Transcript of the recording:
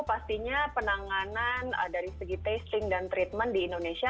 pastinya penanganan dari segi testing dan treatment di indonesia